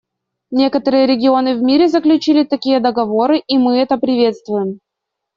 Некоторые регионы в мире заключили такие договоры, и мы это приветствуем.